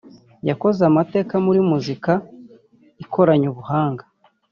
yakoze amateka muri muzika ikoranye ubuhanga